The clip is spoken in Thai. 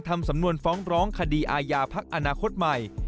ทำสำนวนฟ้องร้องคดีอาญาพักอนาคตใหม่